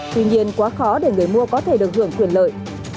tuy nhiên quá khó để người mua có thể được hưởng quyền lợi